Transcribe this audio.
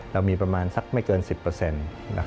เรามีประมาณสักไม่เกิน๑๐เปอร์เซ็นต์